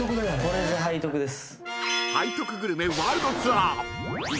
これぞ背徳です。